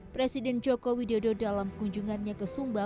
presiden joko widodo dalam kunjungannya ke sumba